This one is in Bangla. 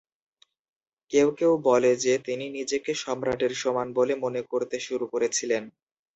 কেউ কেউ বলে যে, তিনি নিজেকে সম্রাটের সমান বলে মনে করতে শুরু করেছিলেন।